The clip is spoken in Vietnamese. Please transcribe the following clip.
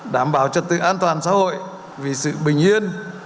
đảm bảo trật tự an toàn xã hội vì sự bình yên